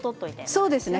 そうですね。